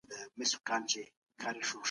ځينې نور يې د لکچرونو او علمي بحثونو برخه دي.